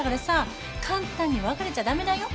簡単に別れちゃ駄目だよ。